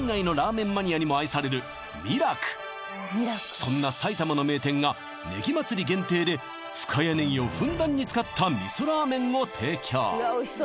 そんな埼玉の名店がねぎまつり限定で深谷ねぎをふんだんに使った味噌ラーメンを提供